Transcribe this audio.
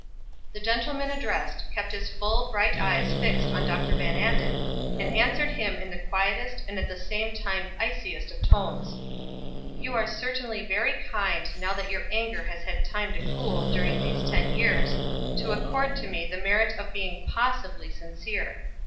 The gentleman addressed kept his full bright eyes fixed on Dr. Van Anden, and answered him in the quietest and at the same time iciest of tones: "You are certainly very kind, now that your anger has had time to cool during these ten years, to accord to me the merit of being possibly sincere.